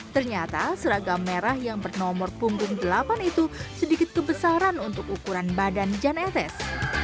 ternyata seragam merah yang bernomor punggung delapan itu sedikit kebesaran untuk ukuran badan jan etes